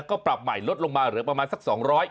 ก็ปรับใหม่ลดลงมาเหลือประมาณสัก๒๐๐บาท